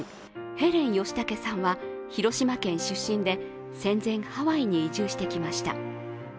ヘレン・ヨシタケさんは広島県出身で戦前、ハワイに移住してきました。